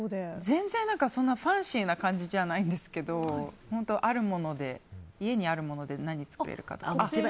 全然、ファンシーな感じじゃないんですけど本当、家にあるもので何が作れるかって。